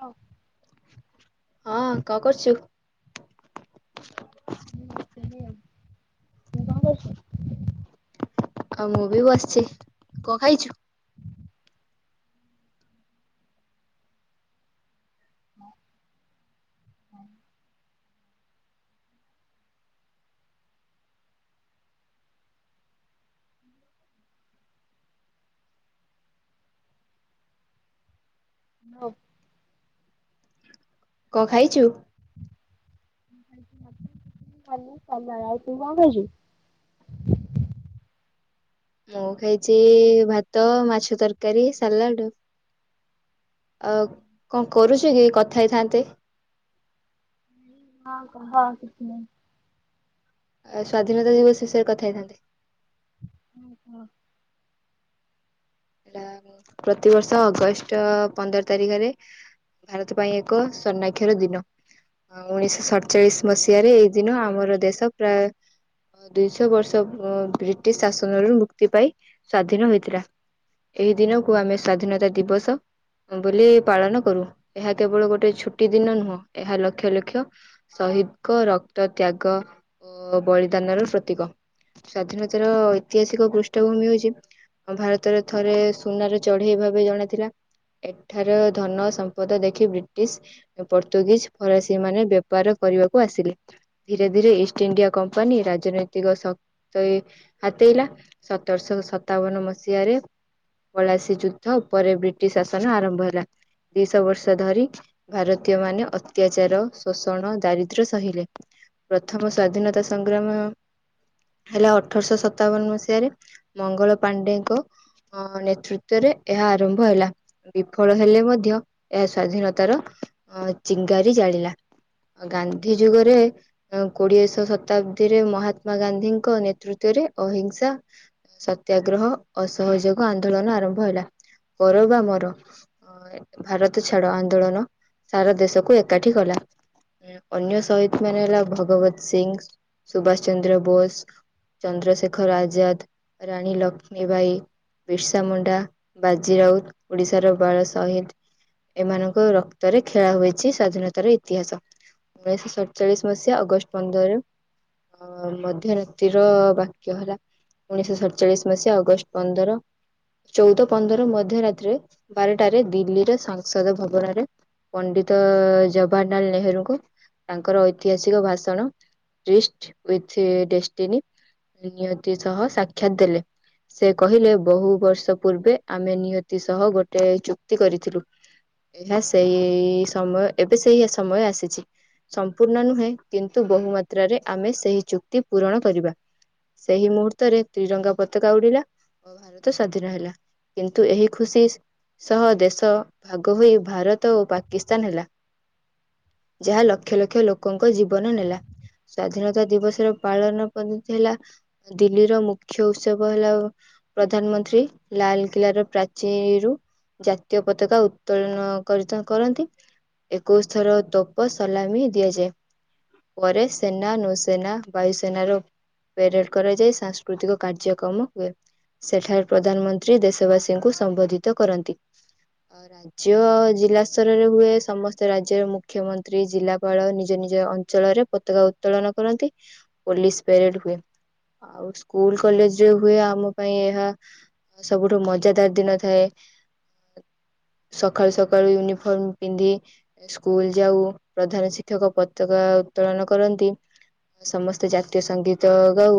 ହଁ। ହଁ କଣ କରୁଚୁ? ଏଇ ବସିଥିଲି ଆଉ, ତୁ କ କରୁଚୁ? ଆଉ ମୁଁ ବି ବସିଛି, କଣ ଖାଇଛୁ? ଭ କ ଖାଇଚୁ? ଖାଲି କଲରା ଆଉ ତୁ କଣ ଖାଇଛୁ? ମୁଁ ଖାଇଛି ଭାତ, ମାଛ ତରକାରୀ, ସାଲାଡ। ଅ କଣ କରୁଚୁ କି କଥା ହେଇଥାନ୍ତେ? ହଁ କହ କିଛି ନାଇଁ। ଏ ସ୍ଵାଧୀନତା ଦିବସ ବିଷୟରେ କଥା ହେଇଥାନ୍ତେ। ହୁଁ କ। ହେଲା ପ୍ରତିବର୍ଷ ଅଗଷ୍ଟ ପନ୍ଦର ତାରିଖରେ ଭାରତ ପାଇଁ ଏକ ସନାକ୍ଷର ଦିନ। ଆ ଉଣେଇଶହ ସତଚାଳିଶ ମସିହାରେ ଏଇ ଦିନ ଆମର ଦେଶ ପ୍ରାୟ ଦୁଇଶହ ବର୍ଷ ଓ ବ୍ରିଟିଶ ଶାସନରୁ ମୁକ୍ତି ପାଇ ସ୍ଵାଧୀନ ହୋଇଥିଲା। ଏହି ଦିନକୁ ଆମେ ସ୍ଵାଧୀନତା ଦିବସ ବୋଲି ପାଳନ କରୁ ଏହା କେବଳ ଗୋଟେ ଛୁଟି ଦିନ ନୁହଁ ଏହା ଲକ୍ଷ ଲକ୍ଷ ସହିଦଙ୍କ ରକ୍ତ ତ୍ୟାଗ ଓ ବଳିଦାନର ପ୍ରତୀକ। ସ୍ଵାଧୀନତାର ଐତିହାସିକ ପୃଷ୍ଠଭୂମି ହଉଛି ଭାରତ ସେଥେରେ ଥରେ ସୁନାର ଚଢେଇ ଭାବେ ଜଣା ଥିଲା। ଏଠାର ଧନ ସମ୍ପଦ ଦେଖି ବ୍ରିଟିଶ ପର୍ତ୍ତୁଗିଜ ଫରାସୀ ମାନେ ବେପାର କରିବାକୁ ଆସିଲେ। ଧୀରେ ଧୀରେ ଇଷ୍ଟ ଇଣ୍ଡିଆ କମ୍ପାନୀ ରାଜନୈତିକ ଶକ୍ତୟୀ ହାତେଇଲା। ସତରଶହ ସତାବନ ମସିହାରେ ବଳାସୀ ଯୁଦ୍ଧ ଉପରେ ବ୍ରିଟିଶ ଶାସନ ଆରମ୍ଭ ହେଲା ଦିଇଶ ବର୍ଷ ଧରି ଭାରତୀୟ ମାନେ ଅତ୍ୟାଚାର ଶୋଷଣ ଦାରିଦ୍ର୍ୟ ସହିଲେନି। ପ୍ରଥମ ସ୍ଵାଧୀନତା ସଂଗ୍ରାମ ହେଲେ ଅଠରଶହ ସତାବନ ମସିହାରେ ମଙ୍ଗଳ ପାଣ୍ଡେ ଙ୍କ ନେତୃତ୍ୱରେ ଏହା ଆରମ୍ଭ ହେଲା। ବିଫଳ ହେଲେ ମଧ୍ୟ ଏହା ସ୍ଵାଧୀନତାର ଚିଙ୍ଗାରି ଜାଳିଲା। ଗାନ୍ଧି ଯୁଗରେ କୋଡିଏ ଶହ ଶତାବ୍ଦୀରେ ମହାତ୍ମା ଗାନ୍ଧୀଙ୍କ ନେତୃତ୍ଵରେ ଅହିଂସା। ସତ୍ୟାଗ୍ରହ ଅସହଯୋଗ ଆନ୍ଦୋଳନ ଆରମ୍ଭ ହେଲା କର ବା ମର ଭାରତ ଛାଡ ଆନ୍ଦୋଳନ ସାରା ଦେଶକୁ ଏକାଠି କଲା। ଅନ୍ୟ ସହିଦ ମାନେ ହେଲା ଭଗବତ ସିଂହ ସୁଭାଷ ଚନ୍ଦ୍ର ବୋଷ ଚନ୍ଦ୍ରଶେଖର ଆଜାଦ ରାଣୀ ଲକ୍ଷ୍ମ ଣୀ ବାଇ ବିର୍ସା ମୁଣ୍ଡା ବାଜି ରାଉତ ଓଡିଶାର ବାଳ ସହିଦ ଏମାନଙ୍କ ରକ୍ତରେ ଖେଳା ହୋଇଛି ସ୍ଵାଧୀନତାର ଇତିହାସ। ଉଣେଇଶହ ସତଚାଳିଶ ମସିହା ଅଗଷ୍ଟ ପନ୍ଦର ଅ ମଧ୍ୟ୍ୟ ରିତ୍ରିର ବାକ୍ୟ ହେଲା ଉଣେଇଶହ ସତଚାଳିଶ ମସିହା। ଅଗଷ୍ଟ ପନ୍ଦର ଚଉଦ ପନ୍ଦର ମଧ୍ୟ ରାତିରେ ବାରଟାରେ ଦିଲ୍ଲୀରେ ସାଂସଦ ଭବନରେ ପଣ୍ଡିତ ଜବାହାନାଲ୍ ନେହେରୁଙ୍କୁ ତାଙ୍କର ଐତିହାସିକ ଭାଷଣ ଇଷ୍ଟ୍ ଉଇଥ୍ ଡିଷ୍ଟିନି ନିହାତି ସହ ସାକ୍ଷାତ ଦେଲେ। ସେ କହିଲେ ବହୁ ବର୍ଷ ପୂର୍ବେ ଆମେ ନିହତି ସହ ଗୋଟେ ଚୁକ୍ତି କରିଥିଲୁ। ଏହା ସେଇ ସମୟ ଏବେ ସେଇ ସମୟ ଆସିଛି। ସମ୍ପୂର୍ଣ୍ଣ ନୁହେଁ କିନ୍ତୁ ବହୁ ମାତ୍ରାରେ ଆମେ ସେହି ଚୁକ୍ତି ପୂରଣ କରିବା। ସେଇ ମୁହୂର୍ତ୍ତରେ ତ୍ରିରଙ୍ଗା ପତାକା ଉଡିଲା ଭାରତ ସ୍ଵାଧୀନ ହେଲା କିନ୍ତୁ ଏହି ଖୁସି। ସହ ଦେଶ ଭାଗ ହୋଇ ଭାରତ ଓ ପାକିସ୍ତାନ ହେଲା। ଯାହା ଲକ୍ଷ ଲକ୍ଷ ଲୋକଙ୍କ ଜୀବନ ନେଲା। ସ୍ଵାଧୀନତା ଦିବସର ପାଳନ ପଦ୍ଧତି ହେଲା ଦିଲ୍ଲୀର ମୁଖ୍ୟ ଉତ୍ସବ ହେଲା ପ୍ରଧାନମନ୍ତ୍ରୀ ଲାଲକିଲ୍ଲାର ପ୍ରାଚୀରୁୁ। ଜାତୀୟ ପତାକା ଉତ୍ତୋଳନ କରିତ କରନ୍ତି। ଏକୋଇଶ ଥର ତୋପ ସଲାମି ଦିଆଯାଏ। ପରେ ସେନା, ନୌସେନା, ବାୟୁସେନାର ପ୍ୟାରେଡ କରାଯାଇ। ସାଂସ୍କୃତିକ କାର୍ଯ୍ୟକ୍ରମ ହୁଏ। ସେଠାରେ ପ୍ରଧାନମନ୍ତ୍ରୀ ଦେଶବାସୀଙ୍କୁ ସମ୍ବୋଧିତ କରନ୍ତି। ଅ ରାଜ୍ ରାଜ ଜିଲ୍ଲା ସ୍ତରରେ ହୁଏ ସମସ୍ତ ରାଜ୍ୟର ମୁଖ୍ୟମନ୍ତ୍ରୀ ଜିଲ୍ଲାପାଳ ନିଜ ନିଜ ଅଞ୍ଚଳରେ ପତାକା ଉତ୍ତୋଳନ କରନ୍ତି। ପୋଲିସ ପ୍ୟାରେଡ ହୁଏ। ଆଉ ସ୍କୁଲ କଲେଜରେ ହୁଏ ଆମ ପାଇଁ ଏହା ସବୁଠୁ ମଜାଦାର ଦିନ ଥାଏ। ସକାଳୁ ସକାଳୁ ୟୁନିଫର୍ମ ପିନ୍ଧି। ସ୍କୁଲ ଯାଉ ପ୍ରଧାନ ଶିକ୍ଷକ ପତାକା ଉତ୍ତୋଳନ କରନ୍ତି। ସମସ୍ତେ ଜାତୀୟ ସଙ୍ଗୀତ ଗାଉ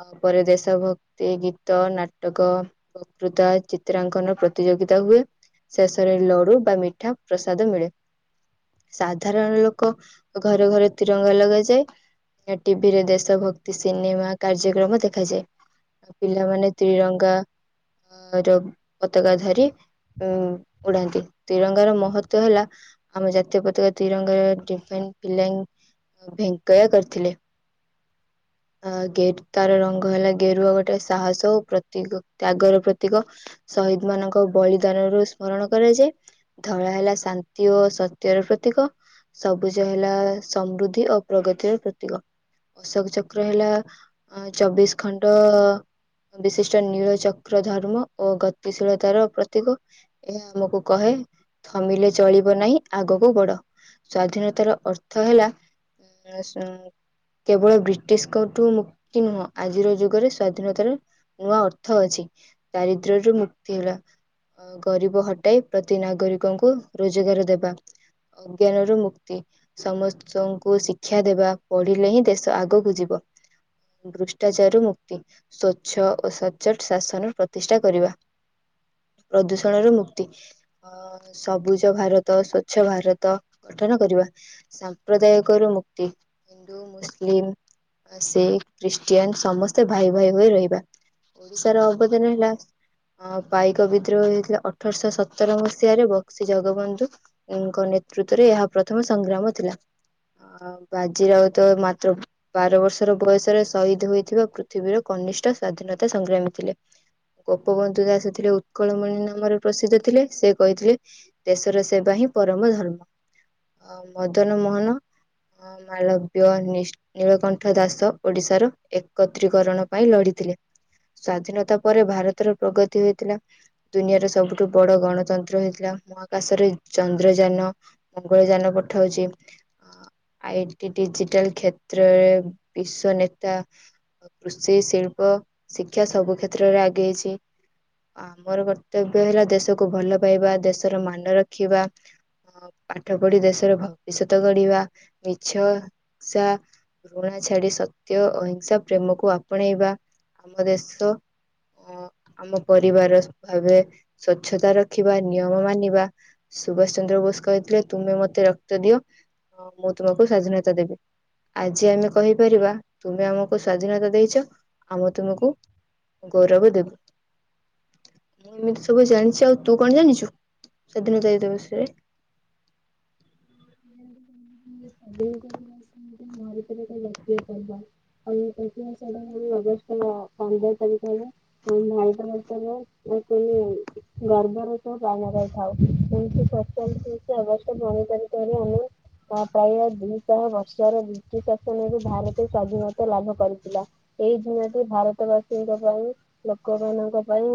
ଆ ପରେ ଦେଶ ଭକ୍ତି ଗୀତ, ନାଟକ ବକୃତା ଚିତ୍ରାଙ୍କନ ପ୍ରତିଯୋଗିତା ହୁଏ। ଶେଷରେ ଲଡ଼ୁ ବା ମିଠା ପ୍ରସାଦ ମିଳେ। ସାଧାରଣ ଲୋକ ଘରେ ଘରେ ତିରଙ୍ଗା ଲଗାଯାଏ। ଟିଭିରେ ଦେଶ ଭକ୍ତି ସିନେମା କାର୍ଯ୍ୟକ୍ରମ ଦେ ଦେଖାଯାଏ ପିଲାମାନେ ତ୍ରିରଙ୍ଗା ଆର ପତାକା ଧରି ଉ ଉଡନ୍ତି ତତିରଙ୍ଗାର ମହତ୍ୱ ହେଲା ଆମ ଜାତୀୟ ପତାକା ତ୍ରିରଙ୍ଗର ଡିପେଙ୍ଗ ପିଲାନ୍ ଭେଙ୍କୟା କରିଥିଲେ ଅ ଗେଟ୍ ତାର ରଙ୍ଗ କହିଲା ଗେରୁଆ ଗୋଟେ ସାହସ ଓ ପ୍ରତୀକ ତ୍ୟାଗର ପ୍ରତୀକ। ସହିଦ ମାନଙ୍କ ବଳିଦାନରୁ ସ୍ମରଣ କରାଯାଏ। ଧଳା ହେଲା ଶାନ୍ତି ଓ ସତ୍ୟର ପ୍ରତୀକ। ସବୁଜ ହେଲା ସମୃଦ୍ଧି ଓ ପ୍ରଗତିର ପ୍ରତୀକ। ଅଶୋକ ଚକ୍ର ହେଲା ଚବିଶ ଖଣ୍ଡ ବିଶିଷ୍ଟ ନୀଳଚକ୍ର ଧର୍ମ ଓ ଗତିଶୀଳତାର ପ୍ରତୀକ। ଏହା ଆମକୁ କହେ ଥମିଲେ ଚଳିବ ନାହିଁ ଆଗକୁ ବଡ। ସ୍ଵାଧୀନତାର ଅର୍ଥ ହେଲା କେବଳ ବ୍ରିଟିଶଙ୍କଠୁ ମୁକ୍ତି ନୁହଁ। ଆଜିର ଯୁଗରେ ସ୍ଵାଧୀନତାର ନୂଆ ଅର୍ଥ ଅଛି ଦାରିଦ୍ର୍ୟରୁ ମୁକ୍ତି ହେଲା ଗରିବ ହଟାଇ ପ୍ରତି ନାଗରିକଙ୍କୁ ରୋଜଗାର ଦେବା। ଅଜ୍ଞାନରୁ ମୁକ୍ତି। ସମସ୍ତଙ୍କୁ ଶିକ୍ଷା ଦେବା ପଢିଲେ ହିଁ ଦେଶ ଆଗକୁ ଯିବ ଦୃ ଚାରୁ ମୁକ୍ତି ସ୍ୱଚ୍ଛ ଓ ସଚ୍ଚୋଟ ଶାସନ ପ୍ରତିଷ୍ଠା କରିବା। ପ୍ରଦୂଷଣରୁ ମୁକ୍ତି ଅ ସବୁଜ ଭାରତ ସ୍ଵଚ୍ଛ ଭାରତ ଗଠନ କରିବା। ସାମ୍ପ୍ରଦାୟକରୁ ମୁକ୍ତି ହିନ୍ଦୁ, ମୁସଲିମ, ଶିଖ, ଖ୍ରୀଷ୍ ଷ୍ଟିଆନ ସମସ୍ତେ ଭାଇ ଭାଇ ହୋଇ ରହିବା ଓଡିଶାର ଅବଦାନ ହେଲା ଅ ପାଇକ ବିଦ୍ରୋହ ହେଇଥିଲା ଅଠରଶ ସତର ମସିହାରେ ବକ୍ସି ଜଗବନ୍ଧୁ ଙ୍କ ନେତୃତ୍ବରେ ଏହା ପ୍ରଥମ ସଂଗ୍ରାମ ଥିଲା। ଆଉ ବାଜି ରାଉତ ମାତ୍ର ବାର ବର୍ଷର ବୟସରେ ଶହିଦ୍ ହୋଇଥିବା ପୃଥିବୀର କନିଷ୍ଟ ସ୍ଵାଧୀନତା ସଂଗ୍ରାମୀ ଥିଲେ। ଗୋପବନ୍ଧୁ ଦାସ ଥିଲେ ଉତ୍କଳମଣି ନାମରେ ପ୍ରସିଦ୍ଧ ଥିଲେ ସେ କହିଥିଲେ ଦେଶର ସେବା ହିଁ ପରମ ଧର୍ମ ଅ ମଦନ ମୋହନ ହଁ ମାଳବ୍ୟ, ନୀସ୍ ନୀଳକଣ୍ଠ ଦାସ ଓଡିଶାର ଏକତ୍ରୀକରଣ ପାଇଁ ଲଢିଥିଲେ ସ୍ଵାଧୀନତା ପରେ ଭାରତର ପ୍ରଗତି ହୋଇଥିଲା। ଦୁନିଆର ସବୁଠୁ ବଡ ଗଣତନ୍ତ୍ର ହେଇଥିଲା ମହାକାଶରେ ଚନ୍ଦ୍ରଯାନ ମଙ୍ଗଳଯାନ ପଠୋଉଚି ଆଇ ଟି ଡିଜିଟାଲ କ୍ଷେତ୍ରରେ ବିଶ୍ୱ ନେ ତା କୃଷି, ଶିଳ୍ପ, ଶିକ୍ଷା ସବୁ କ୍ଷେତ୍ରରେ ଆଗେଇଛି। ଆମର କର୍ତ୍ତବ୍ୟ ହେଲା ଦେଶକୁ ଭଲ ପାଇବା ଦେଶର ମାନ ରଖିବା। ପାଠ ପଢି ଦେଶର ଭବିଷ୍ୟତ ଗଢିବା ମିଛ ସା ଘୃଣା ଛାଡି ସତ୍ୟ, ଅହିଂସା, ପ୍ରେମକୁ ଆପଣେଇବା ଆମ ଦେଶ ଅ ଆମ ପରିବାର ଭାବେ ସ୍ଵଚ୍ଛତା ରଖିବା ନିୟମ ମାନିବା ସୁଭାଷ ଚନ୍ଦ୍ର ବୋଷ କହିଥିଲେ ତୁମେ ମତେ ରକ୍ତ ଦିଅ ମୁଁ ତୁମକୁ ସ୍ଵାଧୀନତା ଦେବି ଆଜି ଆମେ କହିପାରିବା? ତୁମେ ଆମକୁ ସ୍ଵାଧୀନତା ଦେଇଛ ଆମେ ତୁମକୁ ଗୌରବ ଦେବୁ। ଏମିତି ସବୁ ଜାଣିଛି ଆଉ ତୁ କଣ ଜାଣିଛୁ ସ୍ଵାଧୀନତା ଦିବସ ବିଷୟରେ? ମାାର ବ୍ୟକ୍ତି ପବା [unintelligible] ଆ ସେଟା ଅଗଷ୍ଟ ପନ୍ଦର ତାରିଖ ହେଲା। ଭାରତ ବର୍ଷ ର ଆ ଗର୍ବର ସହ ପାଳନ କରିଥାଉ ଏମିତି ସାଧାରଣତନ୍ତ୍ର ଦିବସ ଅଗଷ୍ଟ ପନ୍ଦର ତାରିଖ ତମ ଆମ ପ୍ରାୟ ଦୁଇଶହ ବର୍ଷର ବ୍ରିଟିଶ ଶାସନରେ ଭାରତ ସ୍ଵାଧୀନତା ଲାଭ କରିଥିଲା। ଏଇ ଦିନଟି ଭାରତ ବାସୀଙ୍କ ପାଇଁ ଲୋକମାନାନଙ୍କ ପାଇଁ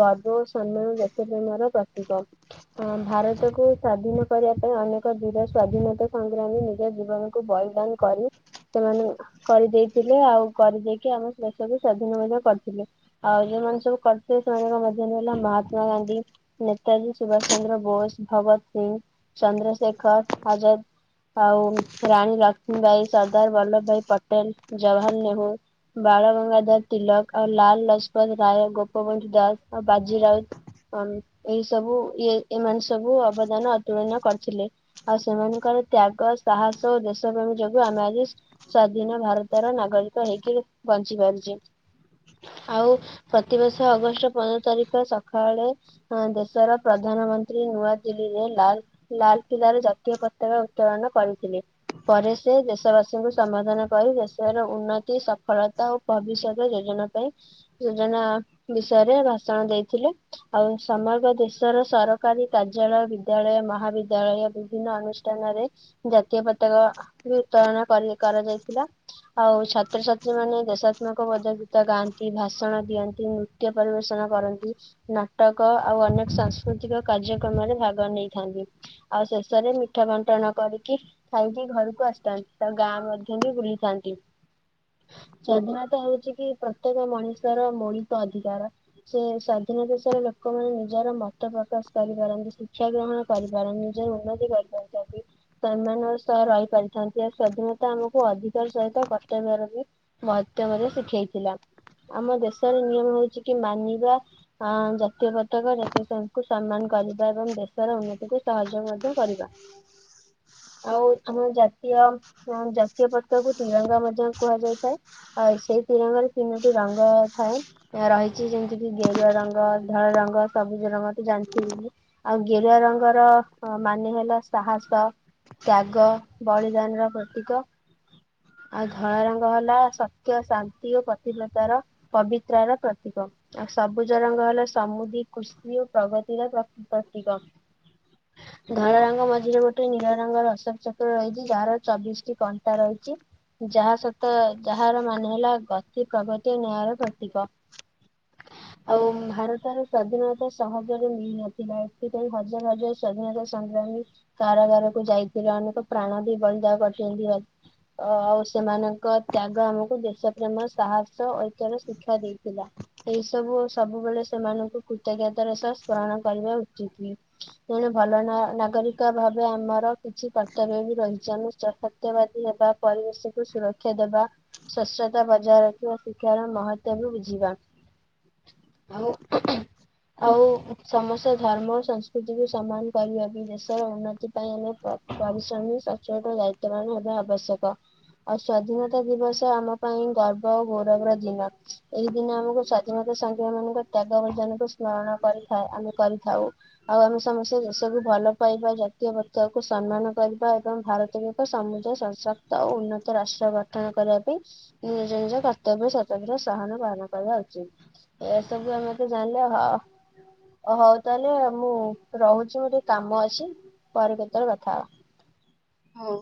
ଗର୍ବ ଓ ସମ୍ମାନ ଦେଶ ପ୍ରେମ ର ପ୍ରତୀକ। ଅ ଭାରତକୁ ସ୍ଵାଧୀନ କରିବା ପାଇଁ ଅନେକ ବୀର ସ୍ଵାଧୀନତା ସଂଗ୍ରାମୀ ନିଜ ଜୀବନକୁ ବଳିଦାନ କରି ସେମାନେ କରିଦେଇଥିଲେ ଆଉ କରିଦେଇକି ଆମ ଦେଶକୁ ସ୍ଵାଧୀନ ମଧ୍ୟ କରିଥିଲେ। ଆଉ ଯୋଉମାନେ ସବୁ କରି ସେମାନଙ୍କ ମଧ୍ୟରେ ହେଲା ମହାତ୍ମା ଗାନ୍ଧୀ ନେତାଜୀ ସୁଭାଷ ଚନ୍ଦ୍ର ବୋଷ ଭଗତ ସିଂ ଚନ୍ଦ୍ରଶେଖର କର ଆଜାଦ। ଆଉ ରାଣୀ ଲକ୍ଷ୍ମୀ ଭାଇ ସର୍ଦ୍ଦାର ବଲ୍ଲଭ ଭାଇ ପଟେଲ ଜବାହର ନେହୁର। ବାଳ ଗଙ୍ଗାଧର ତିଲକ ଆଉ ଲାଲ ଲଜପତ ରାୟ ଗୋପବନ୍ଧୁ ଦାସ ଆଉ ବାଜି ରାଉତ। ହ ଏଇ ସବୁ ଇଏ ଏମାନେ ସବୁ ଅବଦାନ ଅତୁଳନୀୟ କରିଥିଲେ। ସେମାନଙ୍କର ତ୍ୟାଗ ସାହସ ଓ ଦେଶ ପ୍ରେମ ଯୋଗୁ ଆମେ ଆଜି ସ୍ଵାଧୀନ ଭାରତର ନାଗରିକ ହେଇକି ବଞ୍ଚି ପାରିଛେ ଆଉ ପ୍ରତିବର୍ଷ ଅଗଷ୍ଟ ପନ୍ଦର ତାରିଖ ସକାଳେ ଦେଶର ପ୍ରଧାନମନ୍ତ୍ରୀ ନୂଆଦିଲ୍ଲୀରେ ଲାଲ ଲାଲ କିଲ୍ଲାରେ ଜାତୀୟ ପତାକା ଉତ୍ତୋଳନ କରିଥିଲେ। ପରେ ସେ ଦେଶବାସୀଙ୍କୁ ସମର୍ଥନ କରି ଦେଶର ଉନ୍ନତି ସଫଳତା ଆଉ ଭବିଷ୍ୟତ ଯୋଜନା ପାଇଁ ଯୋଜନା ବିଷୟରେ ଭାଷଣ ଦେଇଥିଲେ। ଆଉ ସମଗ୍ର ଦେଶର ସରକାରୀ କାର୍ଯ୍ୟାଳୟ ବିଦ୍ୟାଳୟ ମହାବିଦ୍ୟାଳୟ ବିଭିନ୍ନ ଅନୁଷ୍ଠାନରେ ଜାତୀୟ ପତାକା ବି ଉତ୍ତୋଳନ କରି କରାଯାଇଥିଲା। ଆଉ ଛାତ୍ରଛାତ୍ରୀ ମାନେ ଦେଶାତ୍ମକ ବୋଧ ଗୀତ ଗାଆନ୍ତି ଭାଷଣ ଦିଅନ୍ତି ନୃ ତ୍ୟ ପରିବେଷଣ କରନ୍ତି। ନାଟକ ଆଉ ଅନେକ ସାଂସ୍କୃତିକ କାର୍ଯ୍ୟକ୍ରମରେ ଭାଗ ନେଇଥାନ୍ତି। ଆଉ ଶେଷରେ ମିଠା ବଣ୍ଟନ କରିକି ଖାଇକି ଘରକୁ ଆସିଥାନ୍ତି ତା ଗାଁ ମଧ୍ୟ ବି ବୁଲି ଥାନ୍ତି। ସ୍ଵାଧୀନତା ହଉଚିକି ପ୍ରତ୍ୟେକ ମଣିଷର ମୌଳିକ ଅଧିକାର। ସେ ସ୍ଵାଧୀନ ଦେଶର ଲୋକମାନେ ନିଜର ମତ ପ୍ରକାଶ କରିପାରନ୍ତି ଶିକ୍ଷା ଗ୍ରହଣ କରି। ନିଜର ଉନ୍ନତି କରିପାରନ୍ତି। ସେମାନଙ୍କ ସହ ରହି ପାରିଥାନ୍ତି ଆଉ ସ୍ଵାଧୀନତା ଆମକୁ ଅଧିକାର ସହିତ କର୍ତ୍ତବ୍ୟ ମହତ୍ୱ ମଧ୍ୟ ଶିଖେଇଥିଲା ଆମ ଦେଶର ନିୟମ ହଉଛି କି ମାନିବା। ଅ ଜାତୀୟ ପତାକା ଜାତୀୟ ସଙ୍ଗ କୁ ସମ୍ମାନ କରିବା ଏବଂ ଦେଶର ଉନ୍ନତିକୁ ସହଜ ମଧ୍ୟ କରିବା ଆଉ ଆମ ଜାତୀୟ ମ ଜାତୀୟ ପତକା କୁ ତ୍ରିରଙ୍ଗା ମଧ୍ୟ କୁହାଯାଇଥାଏ। ଆଉ ସେଇ ତ୍ରିରଙ୍ଗାରେ ତିନୋଟି ରଙ୍ଗ ଥାଏ। ରହିଛି ଯେମିତି କିି ଗେରୁଆ ରଙ୍ଗ, ଧଳା ରଙ୍ଗ, ସବୁଜ ରଙ୍ଗ ତୁ ଜାଣିଥିବୁ ଵି। ଆଉ ଗେରୁଆ ରଙ୍ଗର ହଁ, ମାନେ ହେଲା ସାହସ, ତ୍ୟାଗ, ବଳିଦାନର ପ୍ରତୀକ। ଆଉ ଧଳା ରଙ୍ଗ ହେଲା ସତ୍ୟ, ଶାନ୍ତି ଓ ପ୍ରତିବ୍ରତାର ପବିତ୍ର ର ପ୍ରତୀକ। ଆଉ ସବୁଜ ରଙ୍ଗ ହେଲା ସମୁଦି, କୃଷି ଓ ପ୍ରଗତିର ପ୍ର -ପ୍ରତୀକ। ଧଳା ରଙ୍ଗ ମଝିରେ ଗୋଟେ ନୀଳ ରଙ୍ଗ ଅଶୋକଚକ୍ର ରହିଛି, ଯାହାର ଚବିଶ ଟି କଣ୍ଟା ରହିଛି। ଯାହା ସତ ଯାହାର ମାନେ ହେଲା ଗ ନ୍ତି, ପ୍ରଗତି ଓ ନ୍ୟାୟର ପ୍ରତୀକ। ଆଉ ଭାରତ ତାର ସ୍ଵାଧୀନତା ସହଜରେ ମିଳିନଥିଲା। ଏଥିପାଇଁ ହଜାର ହଜାର ସ୍ଵାଧୀନତା ସଂଗ୍ରାମୀ କାରାଗାରକୁ ଯାଇଥିଲେ। ଅନେକ ପ୍ରାଣ ଦି ବଳିଦା କରିଛନ୍ତି ରଜ୍ ଅ, ଆଉ ସେମାନଙ୍କ ତ୍ୟାଗ ଆମକୁ ଦେଶ ପ୍ରେମ, ସାହସ ଐକ୍ୟର ଶିକ୍ଷା ଦେଇଥିଲା। ଏଇ ସବୁ ସବୁବେଳେ ସେମାନଙ୍କୁ କୃତଜ୍ଞତା ର ସହ ସ୍ମରଣ କରିବା ଉଚିତି। ଜଣେ ଭଲ ନା-ନାଗରିକ ଭାବେ ଆମର କିଛି କର୍ତ୍ତବ୍ୟ ବି ରହିଛି ଆମେ [unintelligible] ସତ୍ୟବାଦୀ ହେବା, ପରିବେଶକୁ ସୁରକ୍ଷା ଦେବା। ସ୍ଵଶ୍ୱତା ବଜାୟ ରଖିବା ଶିକ୍ଷାର ମହତ୍ବ ବି ବୁଝିବା। ଆଉ, ଆଉ ସମସ୍ତ ଧର୍ମ ସଂସ୍କୃତି [unintelligible] ସମାନ କରିବା ପାଇଁ ଦେଶର ଉନ୍ନତି ପାଇଁ ଆମେ ପ-ପରିଶ୍ରମୀ ସଚ୍ଚଟ ଦାଇ ର୍ତ୍ତମାନ ହେବା ଆବଶ୍ୟକ। ଆଉ ସ୍ଵାଧୀନତା ଦିବସ ଆମ ପାଇଁ ଗର୍ବ ଓ ଗୌରବ ର ଦିନ। ଏହି ଦିନ ଆମକୁ ସ୍ଵାଧୀନତା ସଂଗ୍ରାମୀ ମାନଙ୍କ ତ୍ୟାଗ [unintelligible] ଗ୍ରହଣ କରିଥାଏ, ଆମେ କରିଥାଉ। ଆଉ ଆମେ ସମସ୍ତେ ଦେଶକୁ ଭଲ ପାଇବା, ଜାତୀୟ ପତକାକୁ ସମ୍ମାନ କରିବା ଏବଂ ଭାରତରେ ସମୁଦ୍ର ସଶକ୍ତ ଓ ଉନ୍ନତ ରାଷ୍ଟ୍ର ଗଠନ କରିବା ପାଇଁ ନିଜ ନିଜ କର୍ତ୍ତବ୍ୟ ସତନ୍ତ୍ର ସହାନ ପାଳନ କରିବା ଉଚିତ୍। ଏସବୁ ଆମେ ତ ଜାଣିଲେ। ହ ହଉ ତାହେଲେ ଆଉ ମୁଁ ରହୁଛି, ମୋର ଟିକେ କାମ ଅଛି। ପରେ କେତେବେଳେ କଥା ହବା? ହଉ